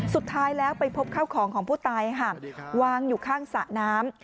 สุดท้ายแล้วไปพบข้าวของของผู้ตายวางอยู่ข้างสระน้ำ